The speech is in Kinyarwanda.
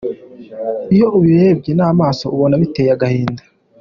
Iyo ubirebye n’amaso ubona biteye agahinda.